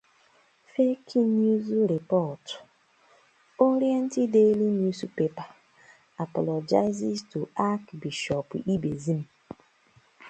Fake News Report: Orient Daily Newspaper Apolgizes To Archbishop Ibezim